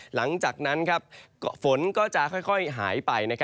หลังจากนั้นฝนก็จะค่อยหายไป